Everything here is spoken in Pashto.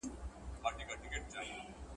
ښوونځې تللې مور د ماشوم سترګو ته پام کوي.